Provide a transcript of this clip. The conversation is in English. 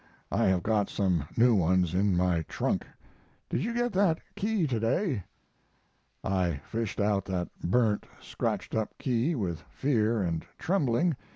I have got some new ones in my trunk. Did you get that key to day?' "I fished out that burnt, scratched up key with fear and trembling.